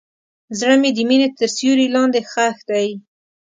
زړه مې د مینې تر سیوري لاندې ښخ دی.